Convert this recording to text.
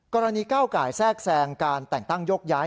เก้าไก่แทรกแทรงการแต่งตั้งโยกย้าย